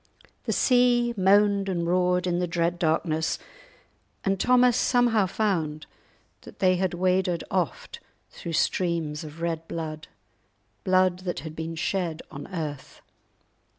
The sea moaned and roared in the dread darkness, and Thomas somehow found that they waded oft through streams of red blood—blood that had been shed on earth.